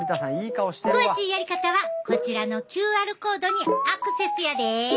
詳しいやり方はこちらのＱＲコードにアクセスやで！